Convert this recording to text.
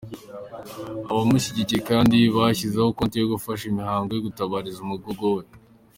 Abamushyigikiye kandi bashyizeho compte yo gufasha imihango yo gutabariza umugogo we.